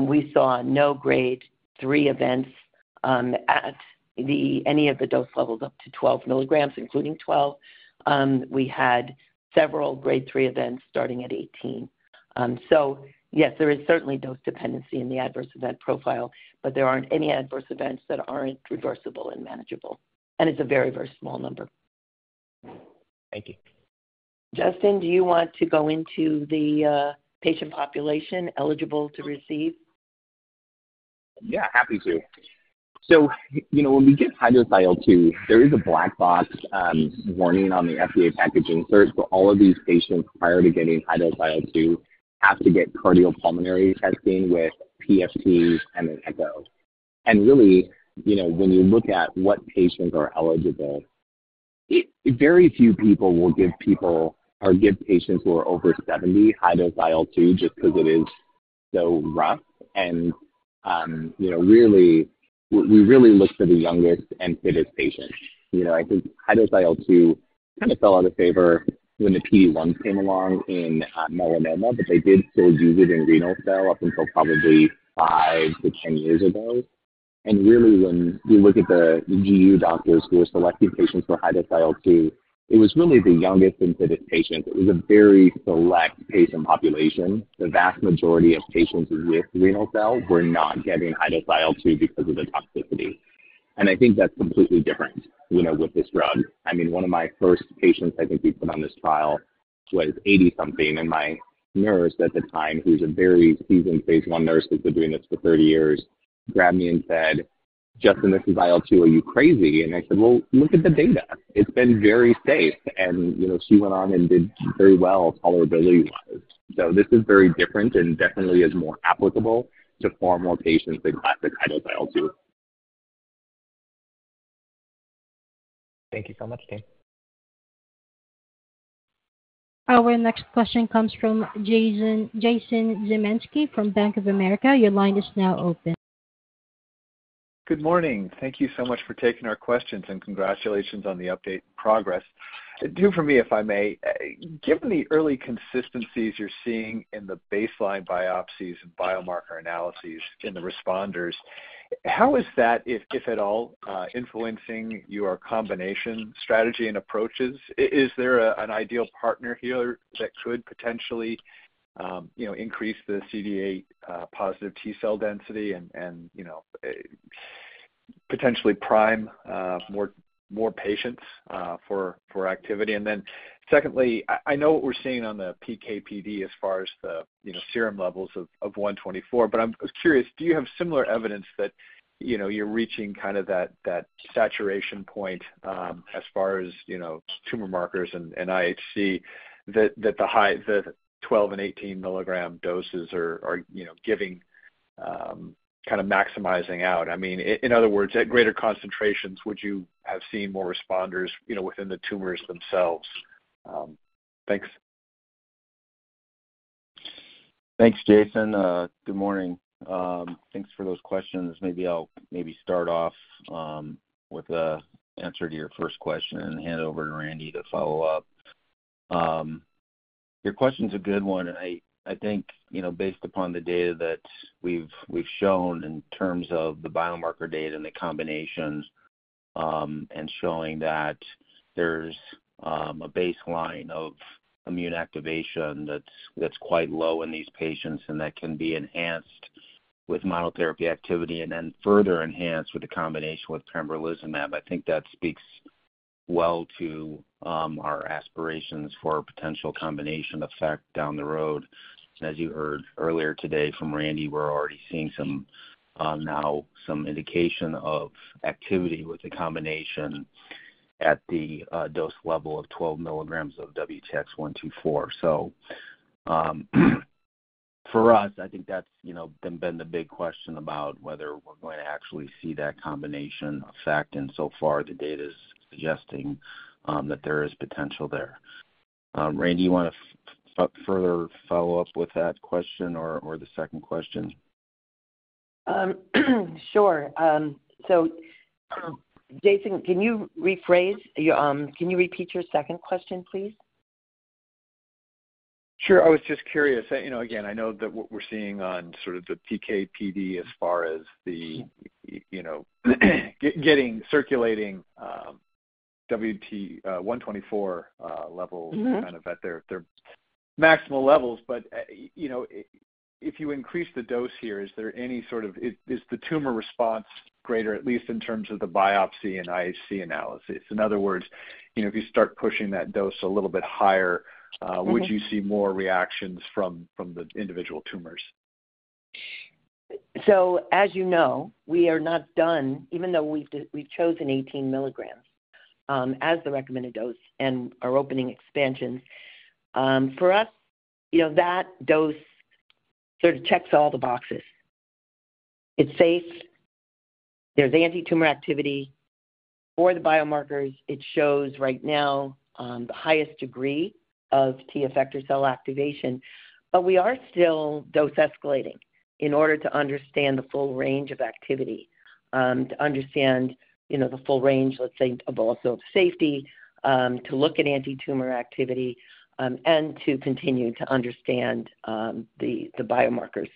we saw no Grade 3 events at any of the dose levels up to 12mg, including 12. We had several Grade 3 events starting at 18. So yes, there is certainly dose dependency in the adverse event profile, but there aren't any adverse events that aren't reversible and manageable, and it's a very, very small number. Thank you. Justin, do you want to go into the, patient population eligible to receive? Yeah, happy to. So, you know, when we give high-dose IL-2, there is a black box warning on the FDA packaging insert. So all of these patients, prior to getting high-dose IL-2, have to get cardiopulmonary testing with PFTs and an echo. And really, you know, when you look at what patients are eligible, it very few people will give people or give patients who are over 70, high-dose IL-2, just because it is so rough. And, you know, really, we really look for the youngest and fittest patients. You know, I think high-dose IL-2 kind of fell out of favor when the PD-1 came along in melanoma, but they did still use it in renal cell up until probably 5-10 years ago. Really, when you look at the GU doctors who were selecting patients for high-dose IL-2, it was really the youngest and fittest patients. It was a very select patient population. The vast majority of patients with renal cell were not getting high-dose IL-2 because of the toxicity. I think that's completely different, you know, with this drug. I mean, one of my first patients, I think, we put on this trial, she was 80-something, and my nurse at the time, who's a very seasoned phase I nurse, who's been doing this for 30 years, grabbed me and said, "Justin, this is IL-2, are you crazy?" I said, "Well, look at the data. It's been very safe." You know, she went on and did very well, tolerability-wise. So this is very different and definitely is more applicable to far more patients than classic high-dose IL-2. Thank you so much, team. Our next question comes from Jason, Jason Zemansky from Bank of America. Your line is now open. Good morning. Thank you so much for taking our questions, and congratulations on the update and progress. Two for me, if I may. Given the early consistencies you're seeing in the baseline biopsies and biomarker analyses in the responders, how is that, if at all, influencing your combination strategy and approaches? Is there an ideal partner here that could potentially, you know, increase the CD8 positive T cell density and, you know, potentially prime more patients for activity? And then secondly, I know what we're seeing on the PK/PD as far as the, you know, serum levels of WTX-124, but I was curious, do you have similar evidence that, you know, you're reaching kind of that saturation point as far as, you know, tumor markers and IHC, that the 12 and 18mg doses are giving kind of maximizing out? I mean, in other words, at greater concentrations, would you have seen more responders, you know, within the tumors themselves? Thanks. Thanks, Jason. Good morning. Thanks for those questions. Maybe I'll maybe start off with the answer to your first question and hand over to Randi to follow up. Your question's a good one, and I think, you know, based upon the data that we've shown in terms of the biomarker data and the combinations and showing that there's a baseline of immune activation that's quite low in these patients, and that can be enhanced with monotherapy activity and then further enhanced with the combination with pembrolizumab. I think that speaks well to our aspirations for a potential combination effect down the road. As you heard earlier today from Randi, we're already seeing some now some indication of activity with the combination at the dose level of 12mg of WTX-124. So, for us, I think that's, you know, been the big question about whether we're going to actually see that combination effect, and so far the data is suggesting that there is potential there. Randi, you want to further follow up with that question or the second question? Sure. So, Jason, can you rephrase? Can you repeat your second question, please? Sure. I was just curious. You know, again, I know that what we're seeing on sort of the PK/PD as far as the, you know, getting circulating, WTX-124 levels kind of at their maximal levels. But you know, if you increase the dose here, Is the tumor response greater, at least in terms of the biopsy and IHC analysis? In other words, you know, if you start pushing that dose a little bit higher, would you see more reactions from the individual tumors? We are not done, even though we've chosen 18mg as the recommended dose and are opening expansions. For us, you know, that dose sort of checks all the boxes. It's safe. There's anti-tumor activity. For the biomarkers, it shows right now the highest degree of T effector cell activation. But we are still dose escalating in order to understand the full range of activity, to understand, you know, the full range, let's say, above all, safety, to look at anti-tumor activity, and to continue to understand the biomarkers.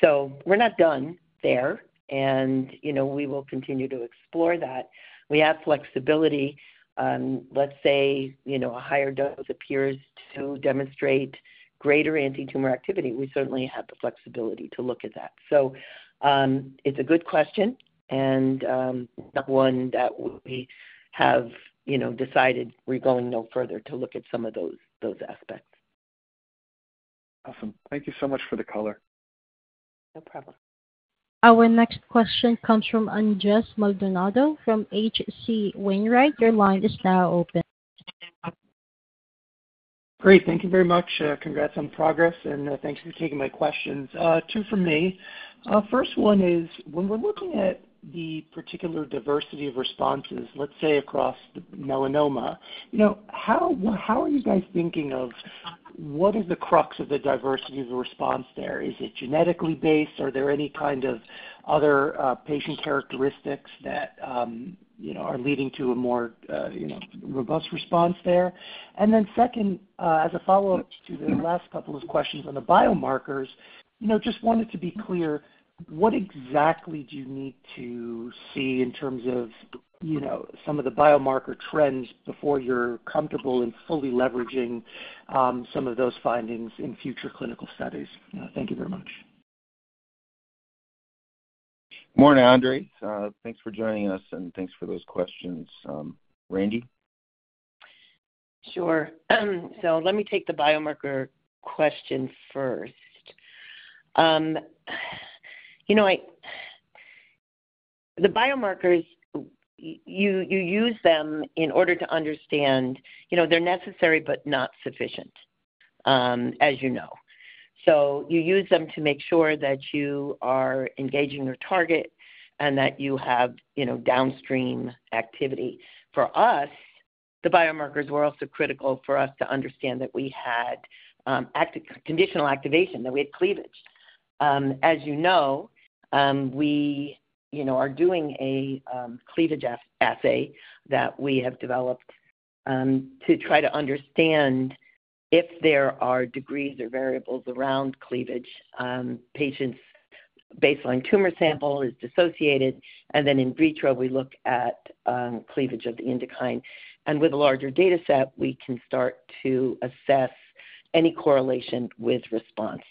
So we're not done there, and, you know, we will continue to explore that. We have flexibility. Let's say, you know, a higher dose appears to demonstrate greater anti-tumor activity. We certainly have the flexibility to look at that. It's a good question and not one that we have, you know, decided we're going no further to look at some of those aspects. Awesome. Thank you so much for the color. No problem. Our next question comes from Andres Maldonado from H.C. Wainwright. Your line is now open. Great. Thank you very much. Congrats on progress, and thanks for taking my questions. Two from me. First one is, when we're looking at the particular diversity of responses, let's say, across the melanoma, you know, how are you guys thinking of what is the crux of the diversity of the response there? Is it genetically based? Are there any kind of other patient characteristics that, you know, are leading to a more robust response there? And then second, as a follow-up to the last couple of questions on the biomarkers, you know, just wanted to be clear, what exactly do you need to see in terms of some of the biomarker trends before you're comfortable in fully leveraging some of those findings in future clinical studies? Thank you very much. Morning, Andres. Thanks for joining us, and thanks for those questions. Randi? Sure. So let me take the biomarker question first. The biomarkers, you use them in order to understand they're necessary but not sufficient. So you use them to make sure that you are engaging your target and that you have downstream activity. For us, the biomarkers were also critical for us to understand that we had active conditional activation, that we had cleavage. We are doing a cleavage assay that we have developed to try to understand if there are degrees or variables around cleavage. Patient's baseline tumor sample is dissociated, and then in vitro, we look at cleavage of the INDUKINE. And with a larger dataset, we can start to assess any correlation with response.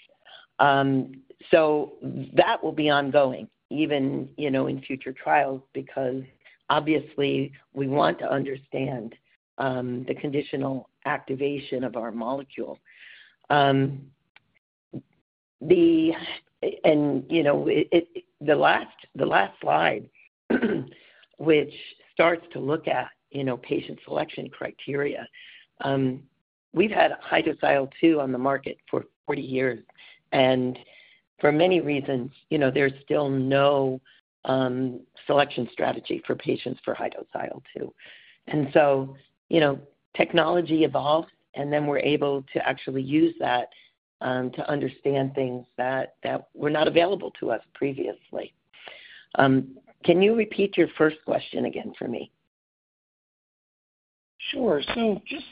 So that will be ongoing, even in future trials, because obviously we want to understand the conditional activation of our molecule. The last slide, which starts to look at patient selection criteria. We've had high-dose IL-2 on the market for 40 years, and for many reasons there's still no selection strategy for patients for high-dose IL-2. Technology evolves, and then we're able to actually use that to understand things that were not available to us previously. Can you repeat your first question again for me? Sure. So just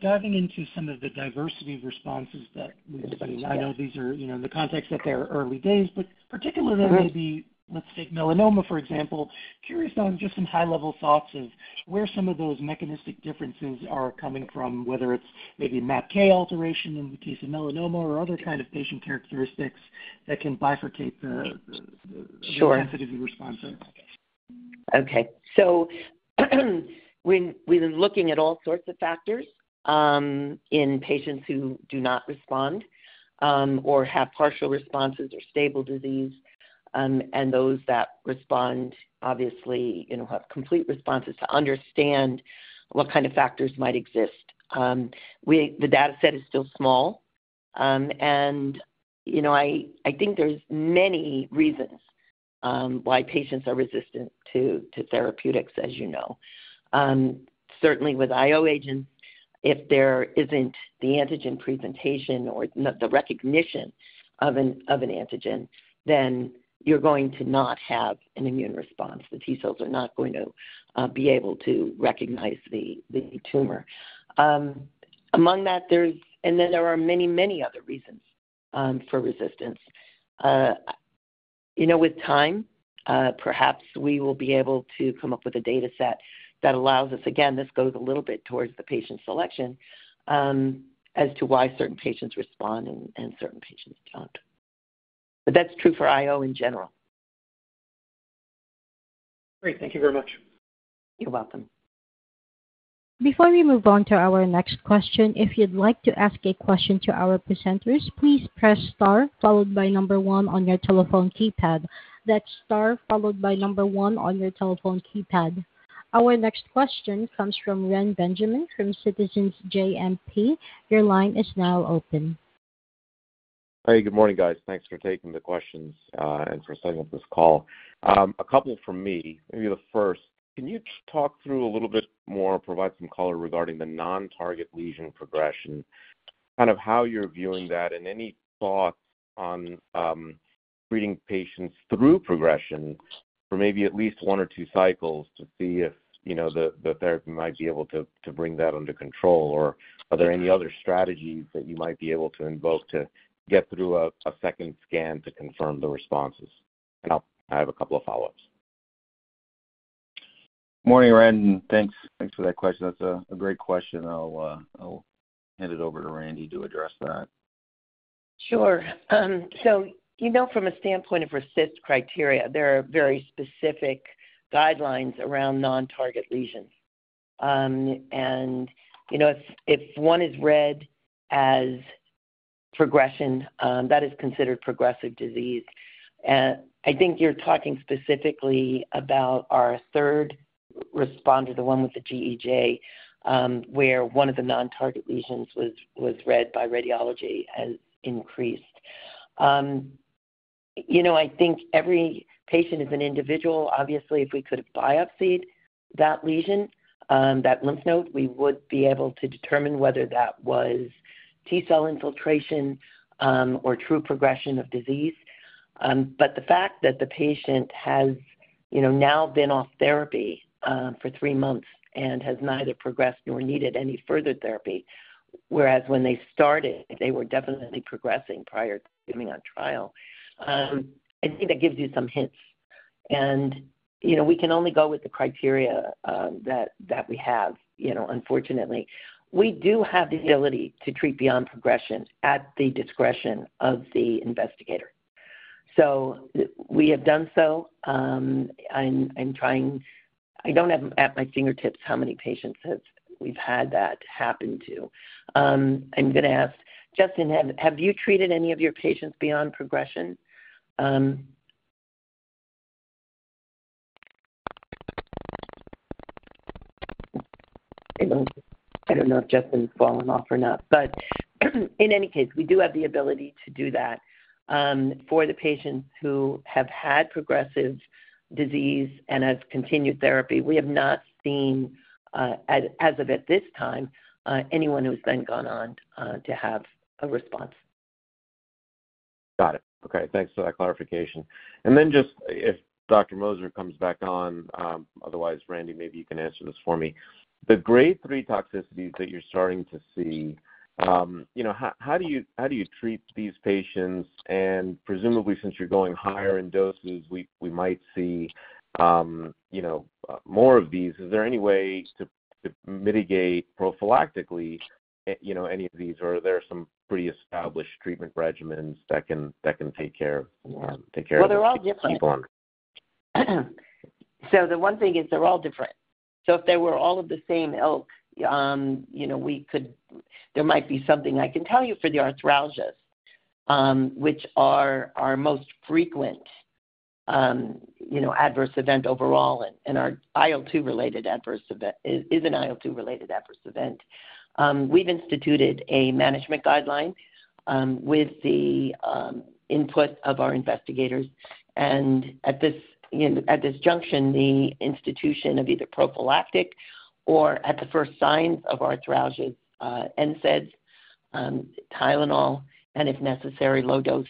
diving into some of the diversity responses that we've seen, I know these are in the context that they're early days, but particularly, there may be, let's take melanoma, for example. Curious on just some high-level thoughts of where some of those mechanistic differences are coming from, whether it's maybe a MAPK alteration in the case of melanoma or other kind of patient characteristics that can bifurcate the the intensity response rate. Sure.Okay. So, we've been looking at all sorts of factors in patients who do not respond or have partial responses or stable disease, and those that respond, obviously have complete responses to understand what kind of factors might exist. The data set is still small. And I think there's many reasons why patients are resistant to therapeutics. Certainly, with IO agents, if there isn't the antigen presentation or the recognition of an antigen, then you're going to not have an immune response. The T-cells are not going to be able to recognize the tumor. Among that. And then there are many, many other reasons for resistance. You know, with time, perhaps we will be able to come up with a data set that allows us, again, this goes a little bit towards the patient selection, as to why certain patients respond and, and certain patients don't. But that's true for IO in general. Great. Thank you very much. You're welcome. Before we move on to our next question, if you'd like to ask a question to our presenters, please press star followed by number one on your telephone keypad. That's star followed by number one on your telephone keypad. Our next question comes from Reni Benjamin from Citizens JMP. Your line is now open. Hey, good morning, guys. Thanks for taking the questions and for setting up this call. A couple from me. Maybe the first, can you talk through a little bit more, provide some color regarding the non-target lesion progression, kind of how you're viewing that, and any thoughts on treating patients through progression for maybe at least one or two cycles to see if the therapy might be able to bring that under control? Or are there any other strategies that you might be able to invoke to get through a second scan to confirm the responses? And I'll have a couple of follow-ups. Morning, Ren. Thanks, thanks for that question. That's a great question. I'll hand it over to Randi to address that. Sure. So, from a standpoint of RECIST criteria, there are very specific guidelines around non-target lesions. And if one is read as progression, that is considered progressive disease. I think you're talking specifically about our third responder, the one with the GEJ, where one of the non-target lesions was read by radiology as increased. You know, I think every patient is an individual. Obviously, if we could have biopsied that lesion, that lymph node, we would be able to determine whether that was T-cell infiltration, or true progression of disease. But the fact that the patient has now been off therapy, for three months and has neither progressed nor needed any further therapy, whereas when they started, they were definitely progressing prior to coming on trial. I think that gives you some hints. And we can only go with the criteria, that we have unfortunately. We do have the ability to treat beyond progression at the discretion of the investigator. So we have done so, and I'm trying. I don't have at my fingertips how many patients we've had that happen to. I'm gonna ask, Justin, have you treated any of your patients beyond progression? I don't know if Justin's fallen off or not, but in any case, we do have the ability to do that for the patients who have had progressive disease and have continued therapy. We have not seen as of at this time anyone who's then gone on to have a response. Got it. Okay, thanks for that clarification. And then just if Dr. Moser comes back on, otherwise, Randy, maybe you can answer this for me. The Grade 3 toxicities that you're starting to see how do you treat these patients? And presumably, since you're going higher in doses, we, we might see more of these. Is there any way to, to mitigate prophylactically any of these, or are there some pretty established treatment regimens that can, that can take care of, take care of these patients? So the one thing is they're all different. So if they were all of the same ilk there might be something I can tell you for the arthralgias, which are our most frequent adverse event overall and are IL-2-related adverse event, is an IL-2-related adverse event. We've instituted a management guideline, with the input of our investigators. And at this at this junction, the institution of either prophylactic or at the first signs of arthralgia, NSAIDs, Tylenol, and if necessary, low-dose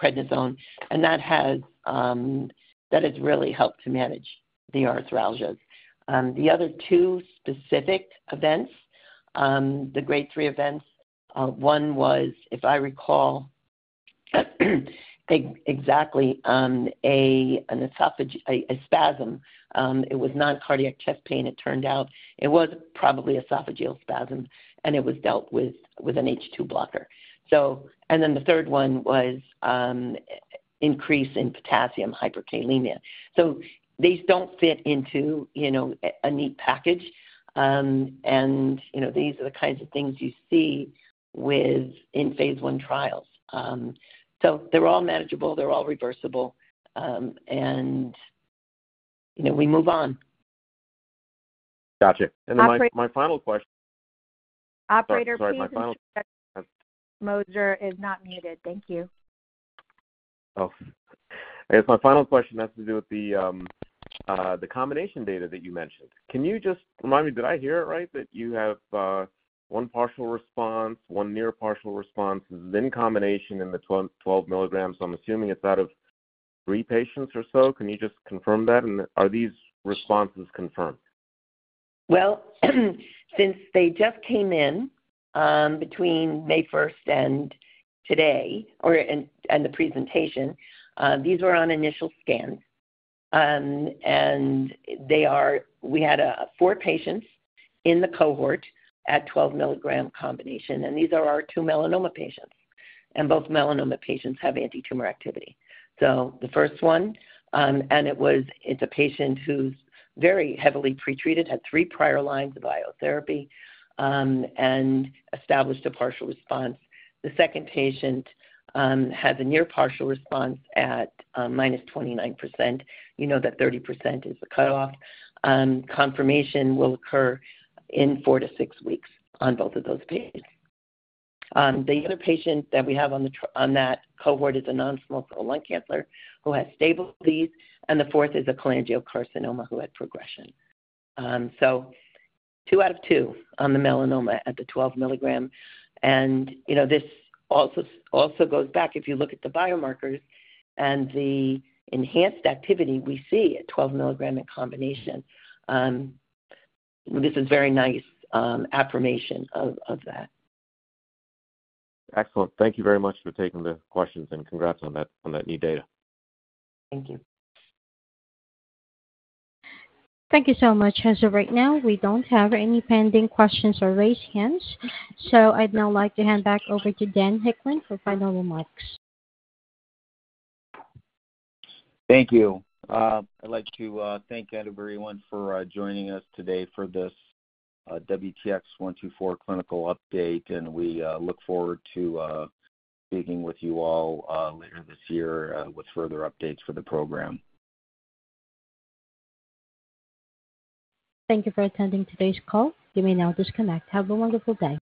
prednisone. And that has really helped to manage the arthralgias. The other two specific events, the Grade 3 events. One was, if I recall, exactly, an esophageal spasm. It was not cardiac chest pain, it turned out. It was probably esophageal spasm, and it was dealt with with an H2 blocker. So, and then the third one was increase in potassium, hyperkalemia. So these don't fit into a neat package. And these are the kinds of things you see within phase I trials. So they're all manageable, they're all reversible, and we move on. Gotcha. Operator please. Moser is not muted. Thank you. Oh. I guess my final question has to do with the combination data that you mentioned. Can you just remind me, did I hear it right, that you have one partial response, one near partial response in combination in the 12mg? So I'm assuming it's out of three patients or so. Can you just confirm that, and are these responses confirmed? Well, since they just came in, between May first and today and the presentation, these were on initial scans. They are. We had four patients in the cohort at 12mg combination, and these are our two melanoma patients, and both melanoma patients have anti-tumor activity. So the first one, it's a patient who's very heavily pretreated, had 3 prior lines of biotherapy, and established a partial response. The second patient had a near-partial response at -29%. You know that 30% is the cutoff. Confirmation will occur in 4-6 weeks on both of those patients. The other patient that we have on that cohort is a non-small cell lung cancer, who has stable disease, and the fourth is a cholangiocarcinoma, who had progression. So 2 out of 2 on the melanoma at the 12mg. You know, this also goes back if you look at the biomarkers and the enhanced activity we see at 12mg in combination. This is very nice affirmation of that. Excellent. Thank you very much for taking the questions, and congrats on that, on that new data. Thank you. Thank you so much. As of right now, we don't have any pending questions or raised hands, so I'd now like to hand back over to Dan Hicklin for final remarks. Thank you. I'd like to thank everyone for joining us today for this WTX-124 clinical update, and we look forward to speaking with you all later this year with further updates for the program. Thank you for attending today's call. You may now disconnect. Have a wonderful day.